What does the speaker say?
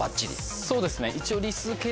そうですね一応。